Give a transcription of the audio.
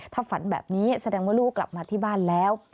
ถ้าฝันแบบนี้แสดงว่าลูกกลับมาที่บ้านแล้ว